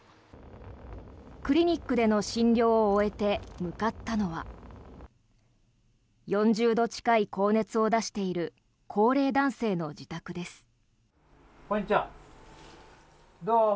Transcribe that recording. クリニックでの診療を終えて向かったのは４０度近い高熱を出している高齢男性の自宅です。